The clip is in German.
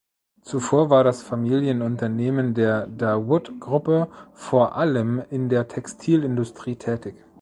Zuvor war das Familienunternehmen der Dawood Gruppe vor allem in der Textilindustrie tätig.